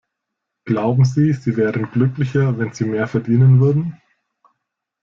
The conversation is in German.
Glauben Sie, Sie wären glücklicher, wenn Sie mehr verdienen würden?